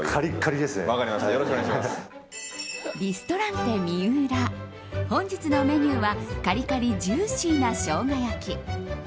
リストランテＭＩＵＲＡ本日のメニューはカリカリ、ジューシーなショウガ焼き。